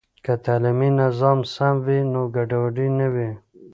که تعلیمي نظام سم وي، نو ګډوډي نه وي.